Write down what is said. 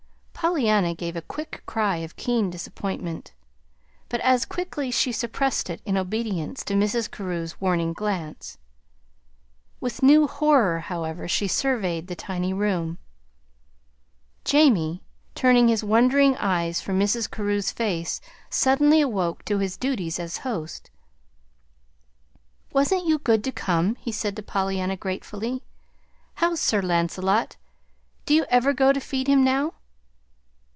Pollyanna gave a quick cry of keen disappointment, but as quickly she suppressed it in obedience to Mrs. Carew's warning glance. With new horror, however, she surveyed the tiny room. Jamie, turning his wondering eyes from Mrs. Carew's face, suddenly awoke to his duties as host. "Wasn't you good to come!" he said to Pollyanna, gratefully. "How's Sir Lancelot? Do you ever go to feed him now?"